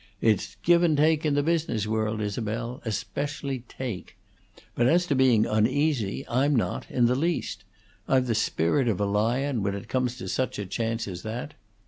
It's give and take in the business world, Isabel; especially take. But as to being uneasy, I'm not, in the least. I've the spirit of a lion, when it comes to such a chance as that.